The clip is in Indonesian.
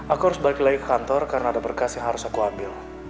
aku harus balik lagi ke kantor karena ada berkas yang harus aku ambil